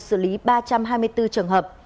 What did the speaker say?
xử lý ba trăm hai mươi bốn trường hợp